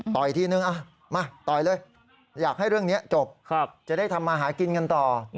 อีกทีนึงมาต่อยเลยอยากให้เรื่องนี้จบจะได้ทำมาหากินกันต่อ